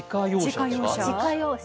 自家用車？